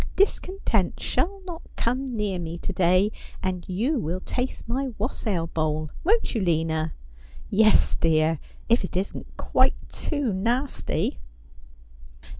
Discontent shall not come near me to day. And you will taste my wassail bowl, won't you, Lina ?' 'Yes, dear, if it isn't quite too nasty.'